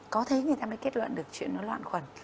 có thế người ta mới kết luận được chuyện nó loạn quần